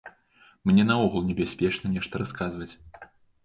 Мне наогул небяспечна нешта расказваць.